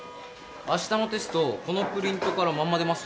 明日のテストこのプリントからまんま出ます？